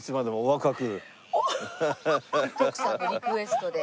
徳さんのリクエストで。